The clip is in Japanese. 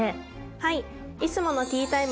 はい。